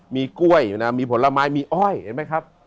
มีกล้วยอยู่นะมีผลไม้มีอ้อยเห็นไหมครับ